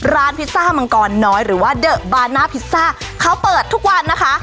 พิซซ่ามังกรน้อยหรือว่าเดอะบาน่าพิซซ่าเขาเปิดทุกวันนะคะ